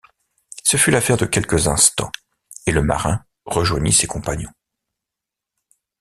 Ce fut l’affaire de quelques instants, et le marin rejoignit ses compagnons.